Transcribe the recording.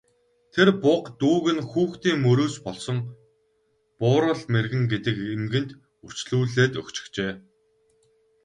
Тэр буга дүүг нь хүүхдийн мөрөөс болсон Буурал мэргэн гэдэг эмгэнд үрчлүүлээд өгчихжээ.